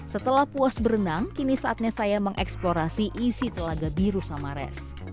setelah puas berenang kini saatnya saya mengeksplorasi isi telaga biru samares